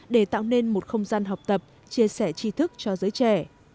để tạo nên một không gian học tập chia sẻ chi thức cho giới trẻ